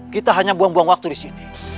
kita hanya buang buang waktu di sini